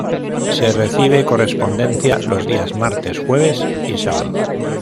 Se recibe correspondencia los días martes, jueves y sábado.